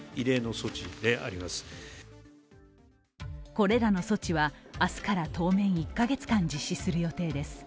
これらの措置は明日から当面１カ月間、実施する予定です。